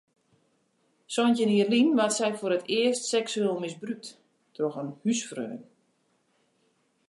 Santjin jier lyn waard sy foar it earst seksueel misbrûkt troch in húsfreon.